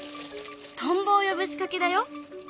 トンボを呼ぶ仕掛けだよ。